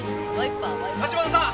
橘さん！